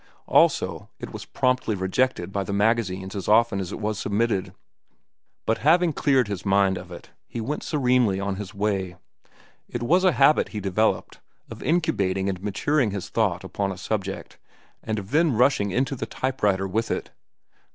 Also it was promptly rejected by the magazines as often as it was submitted. But having cleared his mind of it, he went serenely on his way. It was a habit he developed, of incubating and maturing his thought upon a subject, and of then rushing into the type writer with it.